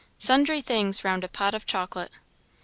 Sundry things round a pot of chocolate.